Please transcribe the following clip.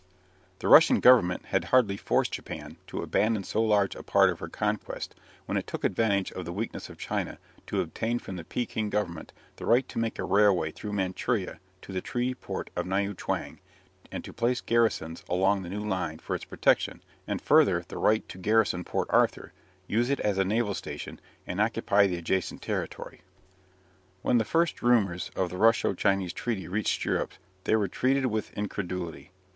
The Russian Government had hardly forced Japan to abandon so large a part of her conquests when it took advantage of the weakness of China to obtain from the Pekin Government the right to make a railway through Manchuria to the treaty port of Niu chwang, and to place garrisons along the new line for its protection, and further the right to garrison Port Arthur, use it as a naval station, and occupy the adjacent territory. When the first rumours of the Russo Chinese Treaty reached Europe they were treated with incredulity.